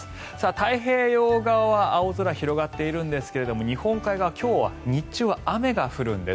太平洋側は青空が広がっているんですが日本海側、今日は日中は雨が降るんです。